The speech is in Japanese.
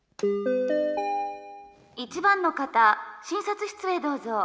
１番の方診察室へどうぞ。